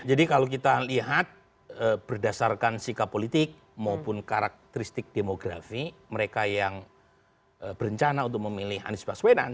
jadi kalau kita lihat berdasarkan sikap politik maupun karakteristik demografi mereka yang berencana untuk memilih anies baswedan